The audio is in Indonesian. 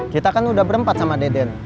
kita kan udah berempat sama deden